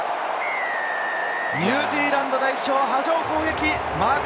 ニュージーランド代表、波状攻撃。